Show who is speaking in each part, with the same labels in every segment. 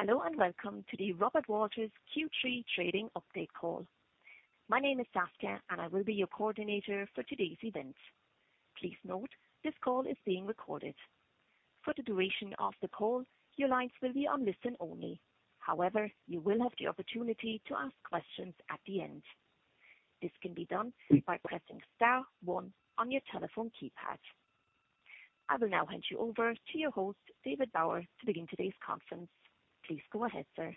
Speaker 1: Hello, and welcome to the Robert Walters Q3 Trading Update call. My name is Saskia, and I will be your coordinator for today's event. Please note, this call is being recorded. For the duration of the call, your lines will be on listen-only. However, you will have the opportunity to ask questions at the end. This can be done by pressing star one on your telephone keypad. I will now hand you over to your host, David Bower, to begin today's conference. Please go ahead, sir.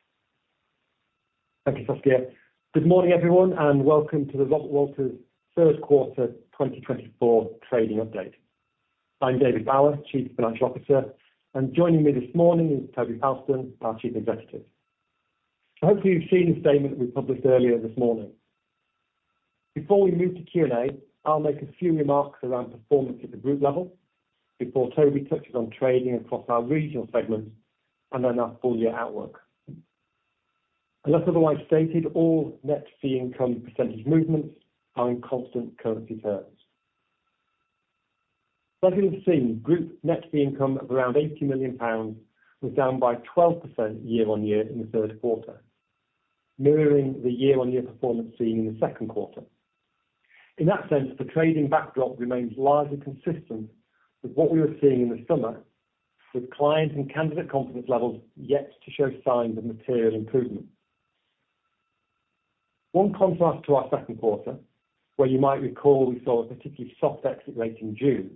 Speaker 2: Thank you, Saskia. Good morning, everyone, and welcome to the Robert Walters third quarter 2024 trading update. I'm David Bower, Chief Financial Officer, and joining me this morning is Toby Fowlston, our Chief Executive. So hopefully, you've seen the statement we published earlier this morning. Before we move to Q&A, I'll make a few remarks around performance at the group level before Toby touches on trading across our regional segments and then our full-year outlook. Unless otherwise stated, all net fee income percentage movements are in constant currency terms. As you can see, group net fee income of around 80 million pounds was down by 12% year on year in the third quarter, mirroring the year-on-year performance seen in the second quarter. In that sense, the trading backdrop remains largely consistent with what we were seeing in the summer, with client and candidate confidence levels yet to show signs of material improvement. One contrast to our second quarter, where you might recall we saw a particularly soft exit rate in June,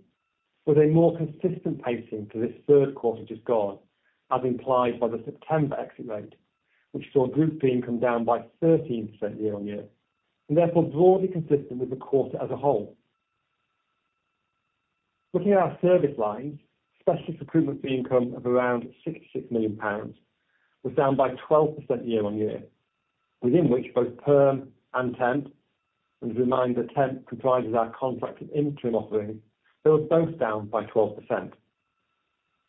Speaker 2: was a more consistent pacing to this third quarter just gone, as implied by the September exit rate, which saw group fee income down by 13% year on year, and therefore broadly consistent with the quarter as a whole. Looking at our service lines, specialist recruitment fee income of around 66 million pounds was down by 12% year on year, within which both perm and temp, and remind that temp comprises our contract and interim offering, they were both down by 12%.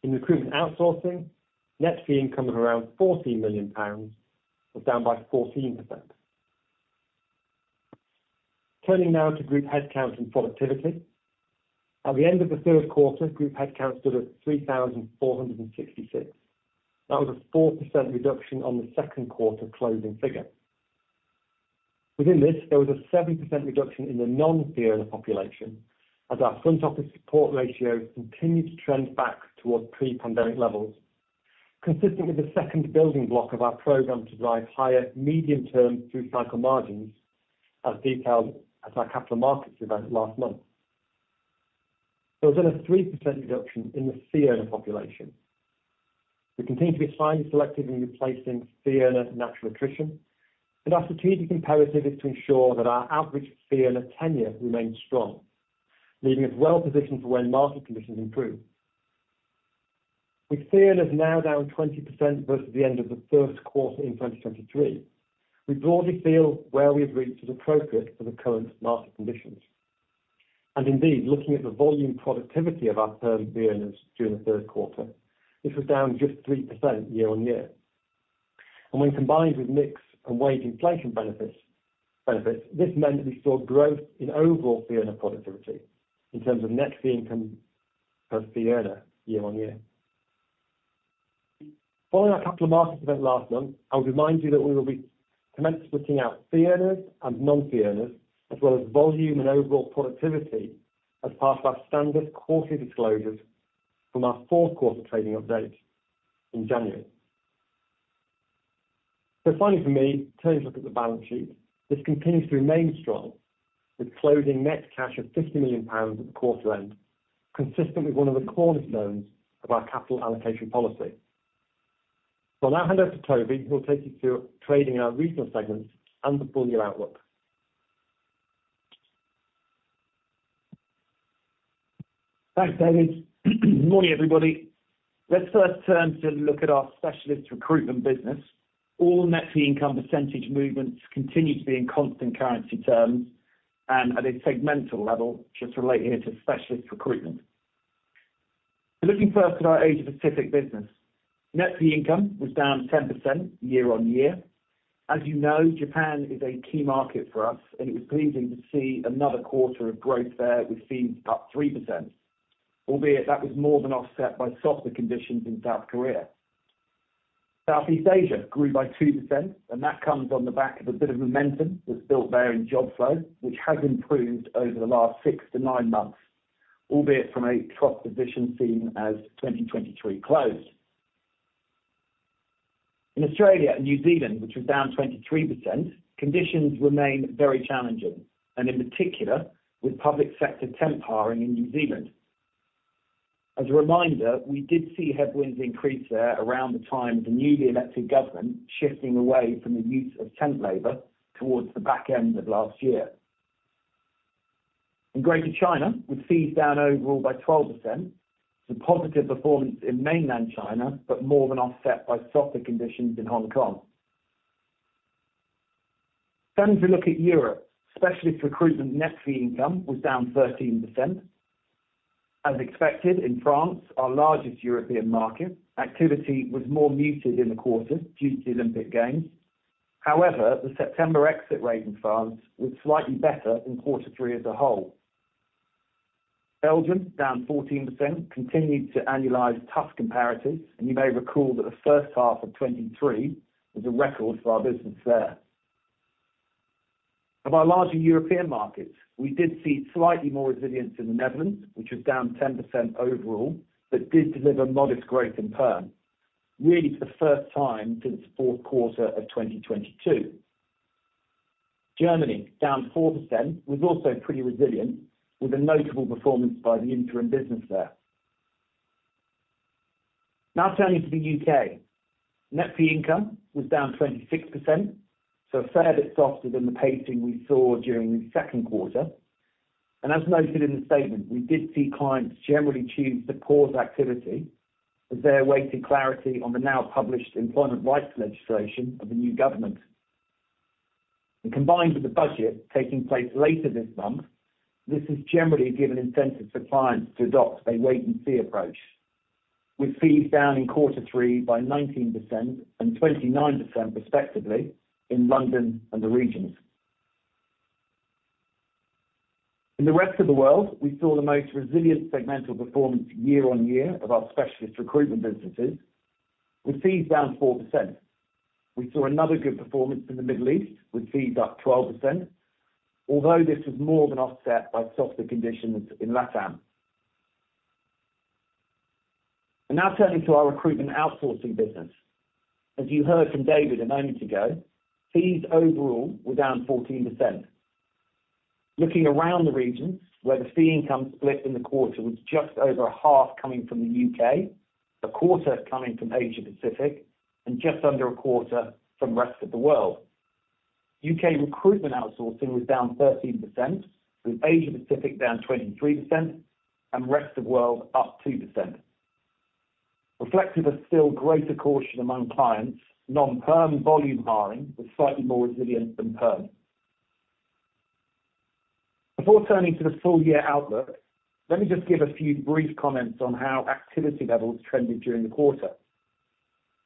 Speaker 2: In recruitment outsourcing, net fee income of around 14 million GBP was down by 14%. Turning now to group headcount and productivity. At the end of the third quarter, group headcount stood at 3,466. That was a 4% reduction on the second quarter closing figure. Within this, there was a 7% reduction in the non-fee earner population, as our front office support ratio continued to trend back towards pre-pandemic levels, consistent with the second building block of our program to drive higher medium-term through-cycle margins, as detailed at our Capital Markets Event last month. There was then a 3% reduction in the fee earner population. We continue to be slightly selective in replacing fee earner natural attrition, but our strategic imperative is to ensure that our average fee earner tenure remains strong, leaving us well positioned for when market conditions improve. With fee earners now down 20% versus the end of the first quarter in 2023, we broadly feel where we have reached is appropriate for the current market conditions. And indeed, looking at the volume productivity of our perm fee earners during the third quarter, this was down just 3% year on year. And when combined with mix and wage inflation benefits, this meant that we saw growth in overall fee earner productivity in terms of net fee income per fee earner, year on year. Following our Capital Markets Event last month, I would remind you that we will be commencing splitting out fee earners and non-fee earners, as well as volume and overall productivity, as part of our standard quarterly disclosures from our fourth quarter trading update in January. So finally from me, turning to look at the balance sheet. This continues to remain strong, with closing net cash of 50 million pounds at the quarter end, consistent with one of the cornerstone of our capital allocation policy. So I'll now hand over to Toby, who will take you through trading in our regional segments and the full year outlook.
Speaker 3: Thanks, David. Good morning, everybody. Let's first turn to look at our specialist recruitment business. All net fee income percentage movements continue to be in constant currency terms and at a segmental level, just relate here to specialist recruitment. Looking first at our Asia Pacific business, net fee income was down 10% year on year. As you know, Japan is a key market for us, and it was pleasing to see another quarter of growth there. We've seen up 3%, albeit that was more than offset by softer conditions in South Korea. Southeast Asia grew by 2%, and that comes on the back of a bit of momentum that's built there in job flow, which has improved over the last six to nine months, albeit from a tough position seen as 2023 closed. In Australia and New Zealand, which was down 23%, conditions remain very challenging, and in particular, with public sector temp hiring in New Zealand. As a reminder, we did see headwinds increase there around the time of the newly elected government shifting away from the use of temp labor towards the back end of last year. In Greater China, we've seen down overall by 12% to positive performance in Mainland China, but more than offset by softer conditions in Hong Kong. Turning to look at Europe, specialist recruitment net fee income was down 13%. As expected, in France, our largest European market, activity was more muted in the quarter due to the Olympic Games. However, the September exit rate in France was slightly better than quarter three as a whole. Belgium, down 14%, continued to annualize tough comparatives, and you may recall that the first half of 2023 was a record for our business there. Of our larger European markets, we did see slightly more resilience in the Netherlands, which was down 10% overall, but did deliver modest growth in perm, really for the first time since the fourth quarter of 2022. Germany, down 4%, was also pretty resilient, with a notable performance by the interim business there. Now turning to the U.K. Net fee income was down 26%, so a fair bit softer than the pacing we saw during the second quarter, and as noted in the statement, we did see clients generally choose to pause activity as they awaited clarity on the now published employment rights legislation of the new government. Combined with the Budget taking place later this month, this has generally given incentive for clients to adopt a wait and see approach, with fees down in quarter three by 19% and 29% respectively in London and the regions. In the Rest of the World, we saw the most resilient segmental performance year on year of our specialist recruitment businesses, with fees down 4%. We saw another good performance in the Middle East, with fees up 12%, although this was more than offset by softer conditions in LatAm. Now turning to our recruitment outsourcing business. As you heard from David a moment ago, fees overall were down 14%. Looking around the region, where the fee income split in the quarter was just over half coming from the U.K., a quarter coming from Asia Pacific, and just under a quarter from Rest of the World. U.K. recruitment outsourcing was down 13%, with Asia Pacific down 23% and Rest of World up 2%. Reflective of still greater caution among clients, non-perm volume hiring was slightly more resilient than perm. Before turning to the full year outlook, let me just give a few brief comments on how activity levels trended during the quarter,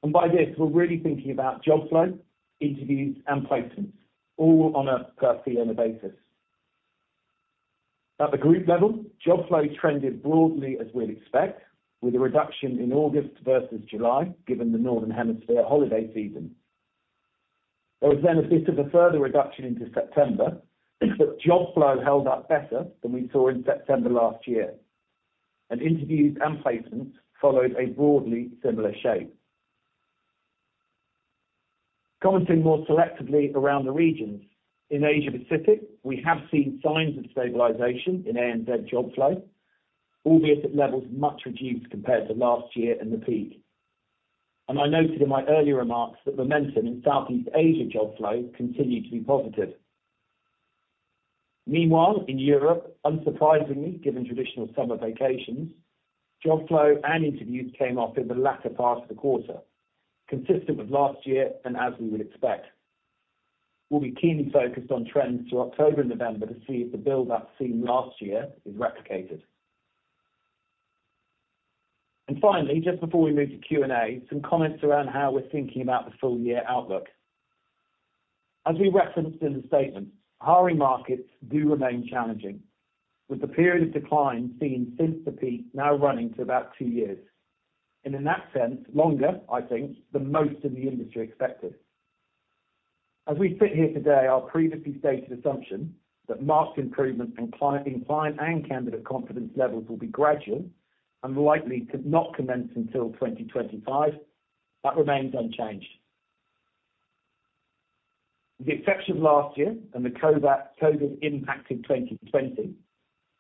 Speaker 3: and by this, we're really thinking about job flow, interviews, and placements, all on a per fee earner basis. At the group level, job flow trended broadly as we'd expect, with a reduction in August versus July, given the Northern Hemisphere holiday season. There was then a bit of a further reduction into September, but job flow held up better than we saw in September last year, and interviews and placements followed a broadly similar shape. Commenting more selectively around the regions, in Asia Pacific, we have seen signs of stabilization in ANZ job flow, albeit at levels much reduced compared to last year and the peak, and I noted in my earlier remarks that momentum in Southeast Asia job flow continued to be positive. Meanwhile, in Europe, unsurprisingly, given traditional summer vacations, job flow and interviews came off in the latter part of the quarter, consistent with last year and as we would expect. We'll be keenly focused on trends through October and November to see if the build up seen last year is replicated. Finally, just before we move to Q&A, some comments around how we're thinking about the full year outlook. As we referenced in the statement, hiring markets do remain challenging, with the period of decline seen since the peak now running to about two years, and in that sense, longer, I think, than most of the industry expected. As we sit here today, our previously stated assumption that marked improvement in client, in client and candidate confidence levels will be gradual and likely to not commence until 2025, that remains unchanged. The effects of last year and the COVID's impact in 2020,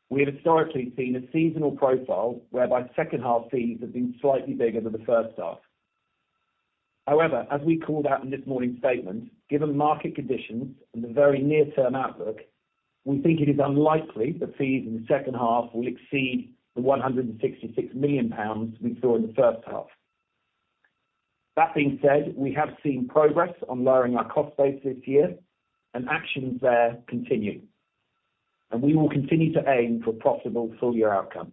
Speaker 3: we have historically seen a seasonal profile whereby second half fees have been slightly bigger than the first half. However, as we called out in this morning's statement, given market conditions and the very near-term outlook, we think it is unlikely that fees in the second half will exceed the 166 million pounds we saw in the first half. That being said, we have seen progress on lowering our cost base this year, and actions there continue, and we will continue to aim for profitable full year outcomes.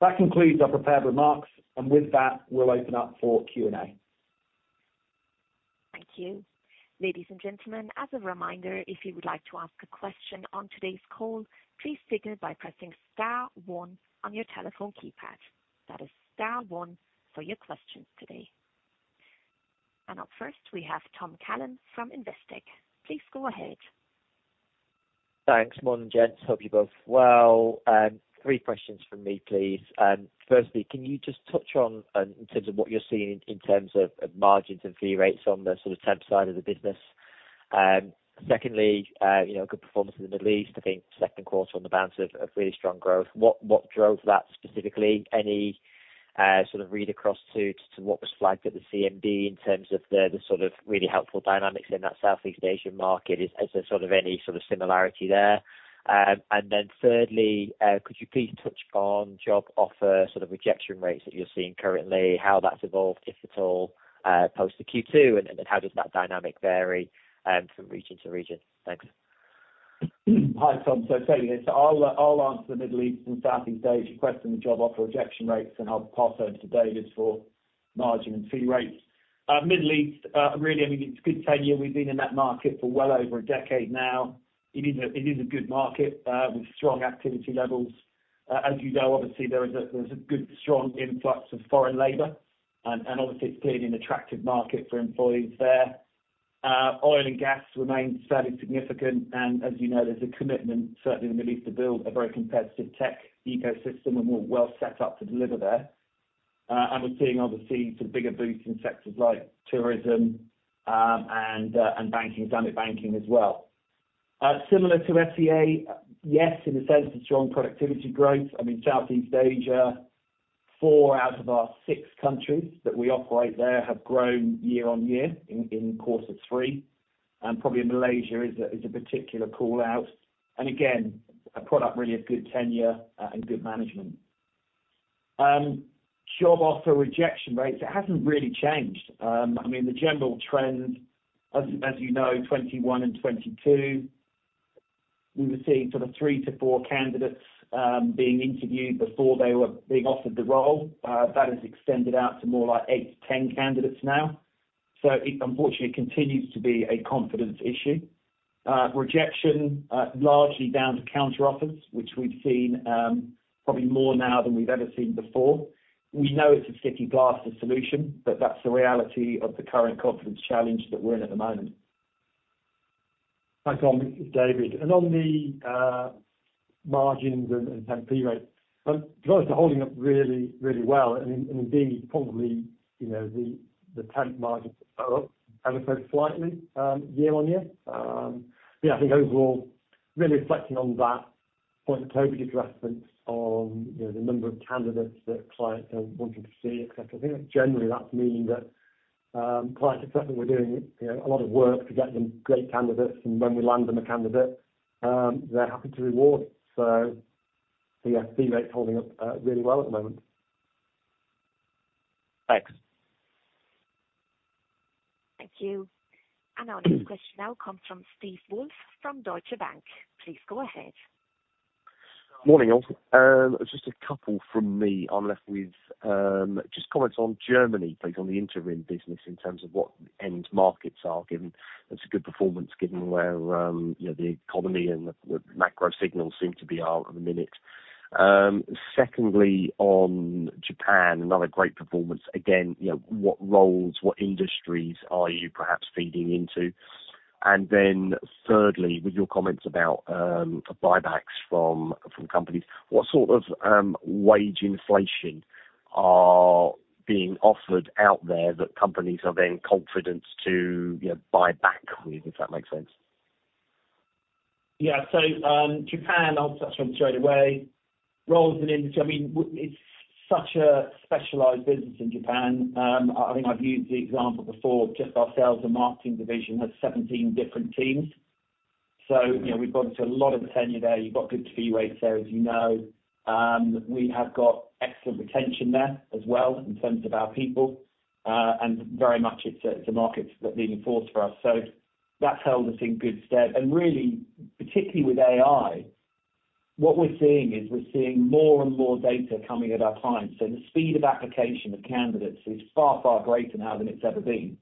Speaker 3: That concludes our prepared remarks, and with that, we'll open up for Q&A.
Speaker 1: Thank you. Ladies and gentlemen, as a reminder, if you would like to ask a question on today's call, please signal by pressing star one on your telephone keypad. That is star one for your questions today, and up first, we have Tom Callan from Investec. Please go ahead.
Speaker 4: Thanks, morning, gents. Hope you're both well. Three questions from me, please. Firstly, can you just touch on, in terms of what you're seeing in terms of margins and fee rates on the sort of temp side of the business? Secondly, you know, good performance in the Middle East. I think second quarter on the bounce of really strong growth. What drove that specifically? Any sort of read across to what was flagged at the CMD in terms of the sort of really helpful dynamics in that Southeast Asian market? Is there sort of any sort of similarity there? And then thirdly, could you please touch on job offer sort of rejection rates that you're seeing currently, how that's evolved, if at all, post Q2, and how does that dynamic vary from region to region? Thanks.
Speaker 3: Hi, Tom. So thank you. So I'll answer the Middle East and Southeast Asia question, the job offer rejection rates, and I'll pass over to David for margin and fee rates. Middle East, really, I mean, it's good tenure. We've been in that market for well over a decade now. It is a good market with strong activity levels. As you know, obviously, there's a good strong influx of foreign labor, and obviously, it's clearly an attractive market for employees there. Oil and gas remains fairly significant, and as you know, there's a commitment, certainly in the Middle East, to build a very competitive tech ecosystem and we're well set up to deliver there. And we're seeing obviously some bigger boosts in sectors like tourism, and banking, Islamic banking as well. Similar to SEA, yes, in the sense of strong productivity growth, I mean, Southeast Asia, four out of our six countries that we operate there have grown year on year in quarter three, and probably Malaysia is a particular call-out. And again, a product really of good tenure and good management. Job offer rejection rates, it hasn't really changed. I mean, the general trend as you know, 2021 and 2022, we were seeing sort of three to four candidates being interviewed before they were being offered the role. That has extended out to more like eight to 10 candidates now. So it unfortunately continues to be a confidence issue. Rejection largely down to counter offers, which we've seen probably more now than we've ever seen before. We know it's a sticky plaster solution, but that's the reality of the current confidence challenge that we're in at the moment.
Speaker 2: Thanks, David. And on the margins and fee rate, clients are holding up really, really well, and indeed, probably, you know, the temp margins are up ever so slightly, year-on-year. Yeah, I think overall, really reflecting on that point that Toby gave reference on, you know, the number of candidates that clients are wanting to see, et cetera. I think generally that's meaning that, clients expect that we're doing, you know, a lot of work to get them great candidates, and when we land them a candidate, they're happy to reward it. So yes, fee rate's holding up, really well at the moment. Thanks.
Speaker 1: Thank you. And our next question now comes from Steve Woolf, from Deutsche Bank. Please go ahead.
Speaker 5: Morning, all. Just a couple from me. I'm left with just comments on Germany, please, on the interim business in terms of what end markets are given. It's a good performance, given where, you know, the economy and the macro signals seem to be out at the minute. Secondly, on Japan, another great performance. Again, you know, what roles, what industries are you perhaps feeding into? And then thirdly, with your comments about buybacks from companies, what sort of wage inflation are being offered out there that companies are then confident to, you know, buy back with, if that makes sense?
Speaker 3: Yeah. So, Japan, I'll start straight away. Roles and industry, I mean, it's such a specialized business in Japan. I think I've used the example before, just our sales and marketing division has 17 different teams. So, you know, we've got a lot of tenure there. You've got good fee rates there, as you know. We have got excellent retention there as well, in terms of our people. And very much, it's a, it's a market that's been forged for us. So that's held us in good stead. And really, particularly with AI, what we're seeing is we're seeing more and more data coming at our clients. So the speed of application of candidates is far, far greater now than it's ever been.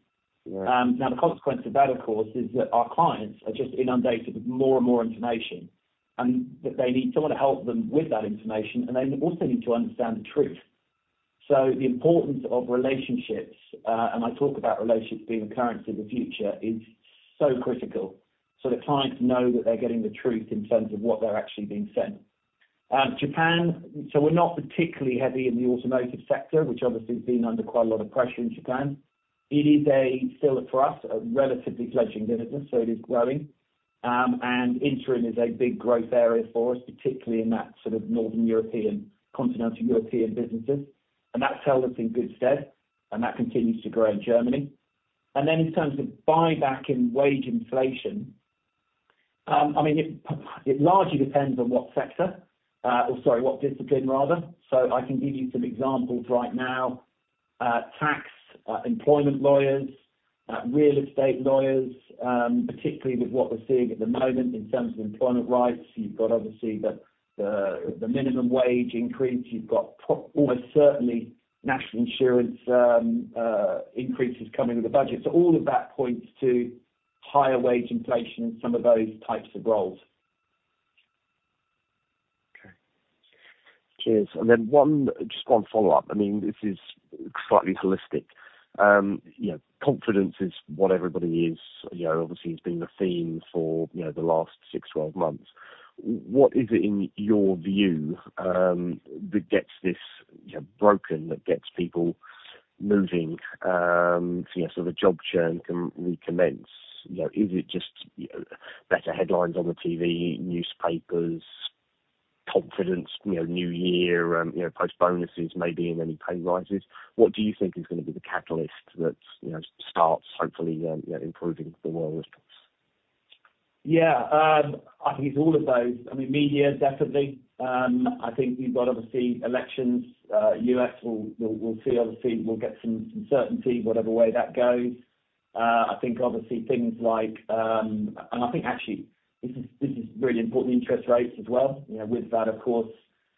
Speaker 5: Right.
Speaker 3: Now, the consequence of that, of course, is that our clients are just inundated with more and more information, and that they need someone to help them with that information, and they also need to understand the truth, so the importance of relationships, and I talk about relationships being the currency of the future, is so critical, so the clients know that they're getting the truth in terms of what they're actually being sent. Japan, so we're not particularly heavy in the automotive sector, which obviously has been under quite a lot of pressure in Japan. It is still for us, a relatively fledgling business, so it is growing. And interim is a big growth area for us, particularly in that sort of Northern European, Continental European businesses. And that's held us in good stead, and that continues to grow in Germany. Then in terms of buyback and wage inflation, I mean, it largely depends on what sector, or sorry, what discipline rather. So I can give you some examples right now. Tax, employment lawyers, real estate lawyers, particularly with what we're seeing at the moment in terms of employment rights. You've got obviously the minimum wage increase. You've got probably almost certainly National Insurance increases coming with the Budget. So all of that points to higher wage inflation in some of those types of roles.
Speaker 5: Okay. Cheers. And then one, just one follow-up. I mean, this is slightly holistic. You know, confidence is what everybody is, you know, obviously has been the theme for, you know, the last six, 12 months. What is it in your view that gets this, you know, broken, that gets people moving, so, yeah, so the job churn can recommence? You know, is it just better headlines on the TV, newspapers, confidence, you know, New Year, you know, post bonuses, maybe even any pay rises? What do you think is gonna be the catalyst that, you know, starts hopefully, you know, improving the world as such?
Speaker 3: Yeah, I think it's all of those. I mean, media, definitely. I think you've got obviously elections, U.S. We'll see obviously. We'll get some certainty, whatever way that goes. I think obviously things like, and I think actually this is really important, interest rates as well. You know, with that, of course,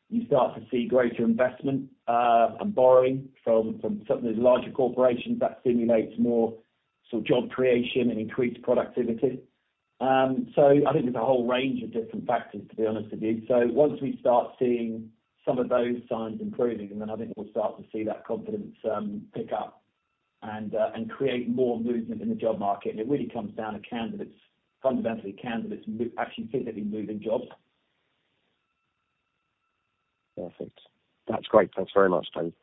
Speaker 3: you start to see greater investment and borrowing from some of these larger corporations that stimulates more sort of job creation and increased productivity. So I think there's a whole range of different factors, to be honest with you. So once we start seeing some of those signs improving, then I think we'll start to see that confidence pick up and create more movement in the job market. And it really comes down to candidates, fundamentally candidates actually physically moving jobs.
Speaker 5: Perfect. That's great. Thanks very much, Toby.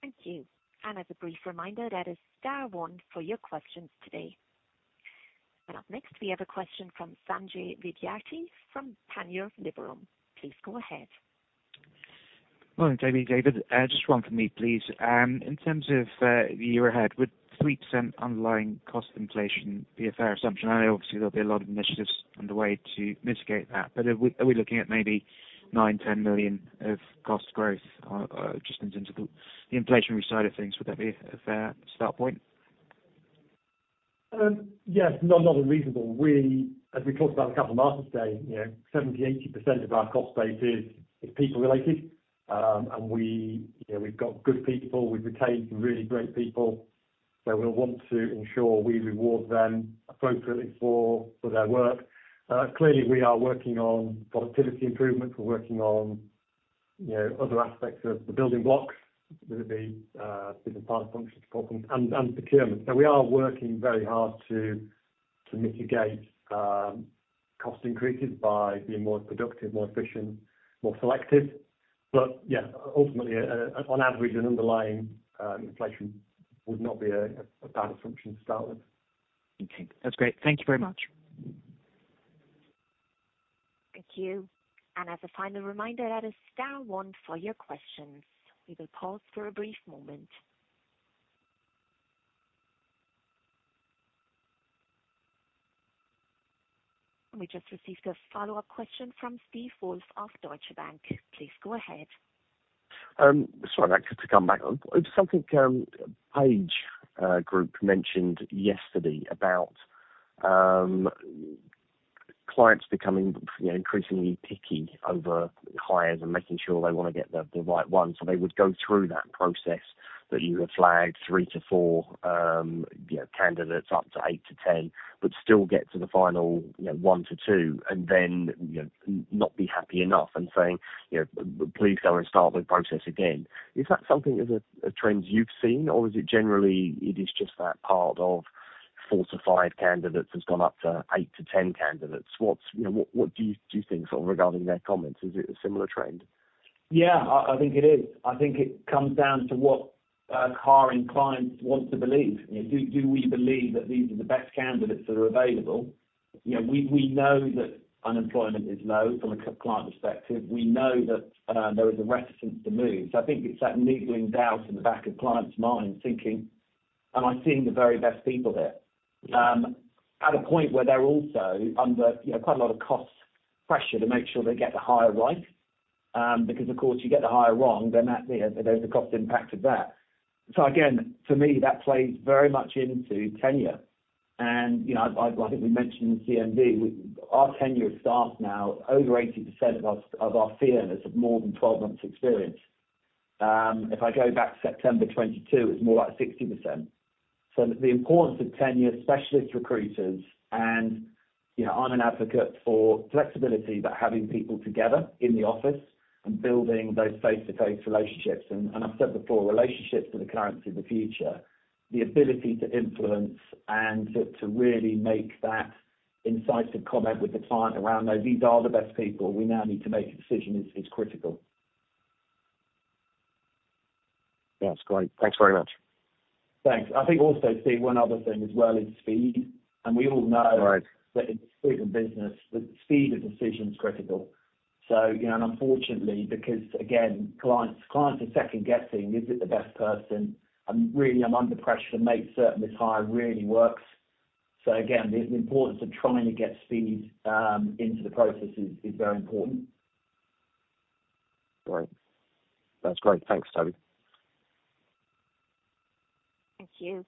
Speaker 1: Thank you, and as a brief reminder, that is star one for your questions today. Up next, we have a question from Sanjay Vidyarthi from Panmure Liberum. Please go ahead.
Speaker 6: Morning, Toby, David, just one for me, please. In terms of the year ahead, would 3% underlying cost inflation be a fair assumption? I know obviously there'll be a lot of initiatives underway to mitigate that, but are we looking at maybe 9-10 million of cost growth, just in terms of the inflationary side of things? Would that be a fair start point?
Speaker 3: Yes. No, not unreasonable. We, as we talked about the capital markets day, you know, 70-80% of our cost base is people related. And we, you know, we've got good people. We've retained some really great people, so we'll want to ensure we reward them appropriately for their work. Clearly, we are working on productivity improvements. We're working on, you know, other aspects of the building blocks, whether it be different parts of functions, core functions and procurement. So we are working very hard to mitigate cost increases by being more productive, more efficient, more selective. But yeah, ultimately, on average and underlying, inflation would not be a bad assumption to start with.
Speaker 6: Okay. That's great. Thank you very much.
Speaker 1: Thank you, and as a final reminder, that is star one for your questions. We will pause for a brief moment. And we just received a follow-up question from Steve Woolf of Deutsche Bank. Please go ahead.
Speaker 5: Sorry, just to come back on something, PageGroup mentioned yesterday about clients becoming, you know, increasingly picky over hires and making sure they want to get the right one. So they would go through that process that you would flag three to four, you know, candidates, up to eight to 10, but still get to the final, you know, one to two, and then, you know, not be happy enough and saying, "You know, please go and start the process again." Is that something of a trend you've seen, or is it generally it is just that part of four to five candidates has gone up to eight to 10 candidates? What's you know, what do you think sort of regarding their comments, is it a similar trend?
Speaker 3: Yeah, I think it is. I think it comes down to what our hiring clients want to believe. You know, do we believe that these are the best candidates that are available? You know, we know that unemployment is low from a client perspective. We know that there is a reticence to move. So I think it's that niggling doubt in the back of clients' minds, thinking, "Am I seeing the very best people here?" At a point where they're also under you know quite a lot of cost pressure to make sure they get the hire right because of course you get the hire wrong then that you know there's a cost impact of that. So again to me that plays very much into tenure. You know, I think we mentioned in the CMD, our tenure of staff now, over 80% of our freelancers have more than 12 months' experience. If I go back to September 2022, it's more like 60%. The importance of tenure specialist recruiters and, you know, I'm an advocate for flexibility, but having people together in the office and building those face-to-face relationships, and I've said before, relationships are the currency of the future. The ability to influence and to really make that incisive comment with the client around, "No, these are the best people. We now need to make a decision," is critical.
Speaker 5: That's great. Thanks very much.
Speaker 3: Thanks. I think also, Steve, one other thing as well is speed, and we all know-
Speaker 5: Right.
Speaker 3: That in speed of business, the speed of decision is critical. So, you know, and unfortunately, because again, clients are second guessing, "Is it the best person? And really, I'm under pressure to make certain this hire really works." So again, the importance of trying to get speed into the process is very important.
Speaker 5: Great. That's great. Thanks, Toby.
Speaker 1: Thank you,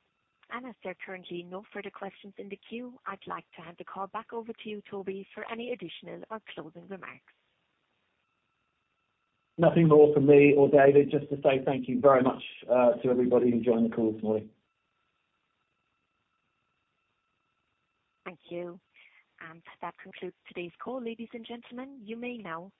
Speaker 1: and as there are currently no further questions in the queue, I'd like to hand the call back over to you, Toby, for any additional or closing remarks.
Speaker 3: Nothing more from me or David, just to say thank you very much to everybody who joined the call this morning.
Speaker 1: Thank you, and that concludes today's call. Ladies and gentlemen, you may now disconnect.